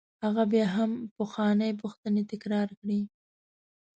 هغه بیا هم پخوانۍ پوښتنې تکرار کړې.